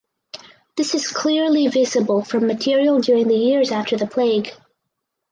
This is clearly visible from material during the years after the plague.